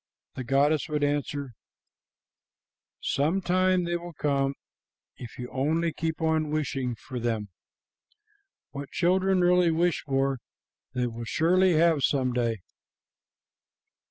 The goddess would answer, 'Some time they will come, if you only keep on wishing for them. What children really wish for they will surely have some day.'